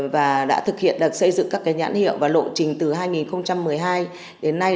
và đã thực hiện được xây dựng các nhãn hiệu và lộ trình từ hai nghìn một mươi hai đến nay